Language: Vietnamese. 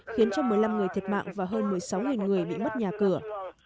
khiến cho một mươi năm người thiệt mạng và hơn một mươi sáu người bị mất nhà cửa